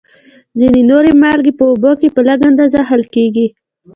ځینې نورې مالګې په اوبو کې په لږ اندازه حل کیږي.